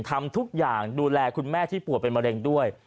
ทำทุกอย่างคุณแม่ชายตัวป่วนเป็นมะเร็งด้วย